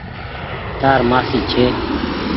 تآر مآسي ڇي۔